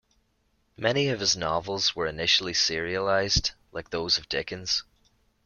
Many of his novels were initially serialized, like those of Dickens.